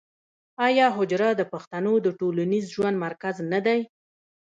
آیا حجره د پښتنو د ټولنیز ژوند مرکز نه دی؟